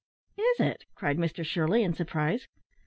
"Is it?" cried Mr Shirley, in surprise.